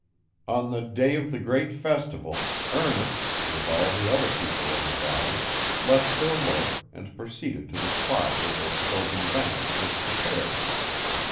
On the day of the great festival, Ernest, with all the other people of the valley, left their work, and proceeded to the spot where the sylvan banquet was prepared.